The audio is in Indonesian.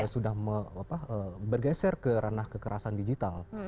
sudah bergeser ke ranah kekerasan digital